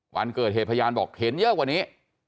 วันเกิดเหตุพยานบอกเห็นเยอะกว่านี้